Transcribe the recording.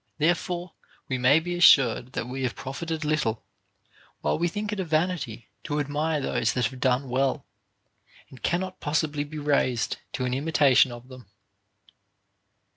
Therefore we may be assured that we have profited little, while we think it a vanity to admire those that have done well, and cannot possibly be raised to an imitation of them.